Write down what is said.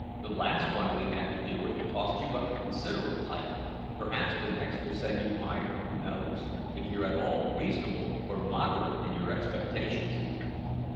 The last one we had to do with tossed you up a considerable height; perhaps the next will send you higher who knows? if you're at all reasonable or moderate in your expectations!"